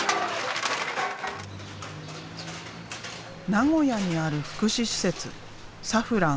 名古屋にある福祉施設さふらん